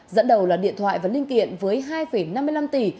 dẫn đầu là điện thoại và linh kiện với hai năm mươi năm tỷ